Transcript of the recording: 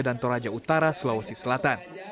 dan toraja utara sulawesi selatan